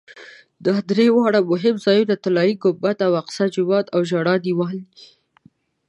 دا درې واړه مهم ځایونه طلایي ګنبده او اقصی جومات او ژړا دیوال دي.